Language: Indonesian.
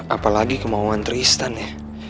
apalagi kemauan tristan ya